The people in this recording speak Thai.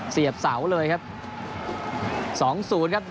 เสียบเสาเลยครับ